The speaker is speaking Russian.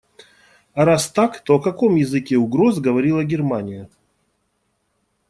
А раз так, то о каком языке угроз говорила Германия?